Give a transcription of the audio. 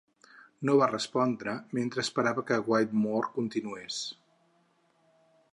No va respondre mentre esperava que Whittemore continués.